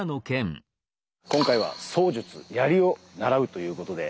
今回は槍術槍を習うということで。